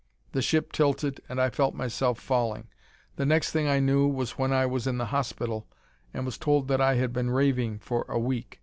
The ship tilted and I felt myself falling. The next thing I knew was when I was in the hospital and was told that I had been raving for a week.